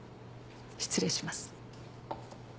失礼します。